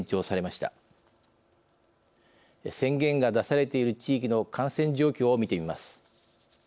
宣言が出されている地域の感染状況を見てみます。